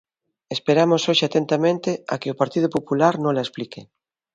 Esperamos hoxe atentamente a que o Partido Popular nola explique.